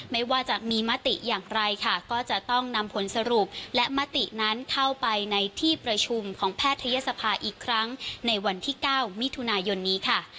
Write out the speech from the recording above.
ไม่ว่าจะมีมติอย่างไรค่ะก็จะต้องนำผลสรุปและมตินั้นเข้าไปในที่ประชุมของแพทยศภาอีกครั้งในวันที่๙มิถุนายนนี้ค่ะ